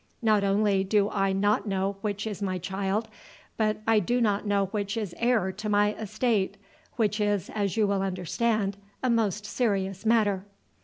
Not only do I not know which is my child, but I do not know which is heir to my estate; which is, as you will understand, a most serious matter."